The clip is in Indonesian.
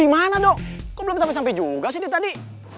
di mana dok kok belum sampe sampe juga sih dia tadi